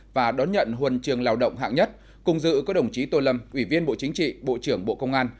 và đón nhận huần trường lao động hạng nhất cùng dự có đồng chí tô lâm ủy viên bộ chính trị bộ trưởng bộ công an